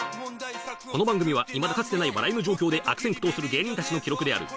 この番組はいまだかつてない笑えぬ状況で、悪戦苦闘する芸人たちの記録である。